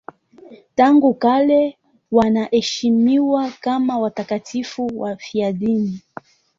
Tangu kale wanaheshimiwa kama watakatifu wafiadini.